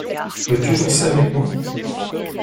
Veux-tu danser avec moi?